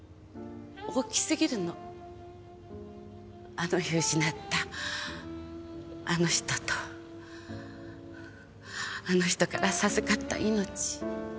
あの日失ったあの人とあの人から授かった命。